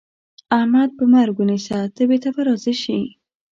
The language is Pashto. احمد په مرګ ونيسه؛ تبې ته به راضي شي.